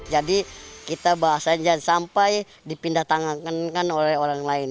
jadi kita bahas aja sampai dipindah tangankan oleh orang lain